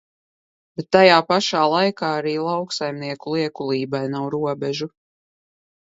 Bet tajā pašā laikā arī lauksaimnieku liekulībai nav robežu.